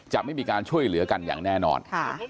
จะไม่มีการช่วยเหลือกันอย่างแน่นอน